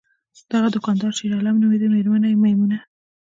دغه دوکاندار شیرعالم نومیده، میرمن یې میمونه!